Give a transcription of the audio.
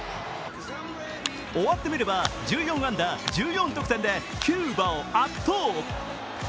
終わってみれば１４安打１４得点でキューバを圧倒。